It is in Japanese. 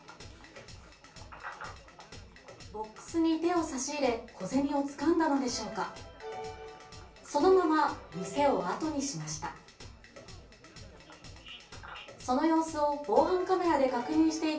ボックスに手を差し入れ、小銭をつかんだのでしょうか、そのまま店を後にしました。